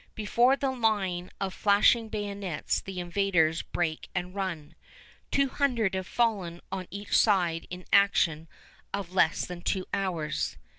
Before the line of flashing bayonets the invaders break and run. Two hundred have fallen on each side in an action of less than two hours.